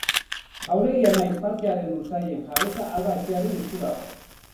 Jauregia nahiz parkearen lursailen jabetza Alba Etxearen esku dago.